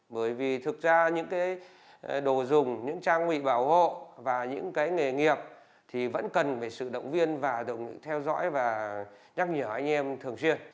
bởi vì thực ra những cái đồ dùng những trang bị bảo hộ và những cái nghề nghiệp thì vẫn cần phải sự động viên và theo dõi và nhắc nhở anh em thường xuyên